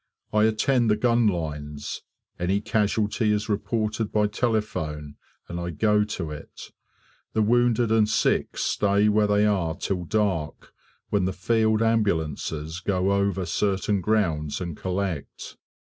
I attend the gun lines; any casualty is reported by telephone, and I go to it. The wounded and sick stay where they are till dark, when the field ambulances go over certain grounds and collect.